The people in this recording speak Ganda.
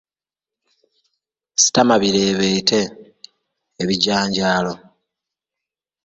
Sitama bireebeete, Ebijanjaalo.